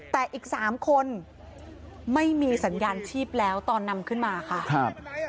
แต่อีกสามคนไม่มีสัญญาณชีพแล้วตอนนำขึ้นมาค่ะครับ